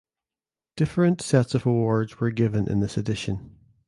Different sets of awards were given in this edition.